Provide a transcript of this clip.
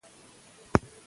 ایا تعلیم بدلون راولي؟